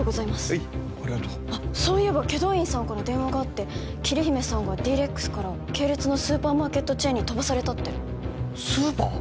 はいありがとうあっそういえば祁答院さんから電話があって桐姫さんがＤ−ＲＥＸから系列のスーパーマーケットチェーンに飛ばされたってスーパー！？